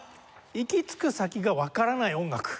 「行き着く先がわからない音楽」